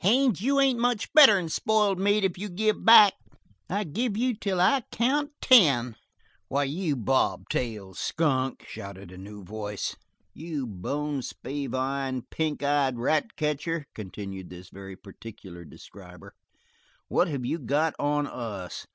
"Haines, you ain't much better'n spoiled meat if you keep back. I gave you till I count ten " "Why, you bob tailed skunk," shouted a new voice. "You bone spavined, pink eyed rat catcher," continued this very particular describer, "what have you got on us?